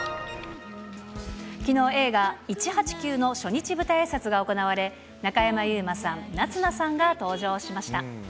きのう、映画、１８９の初日舞台あいさつが行われ、中山優馬さん、夏菜さんが登場しました。